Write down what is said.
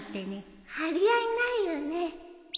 張り合いないよね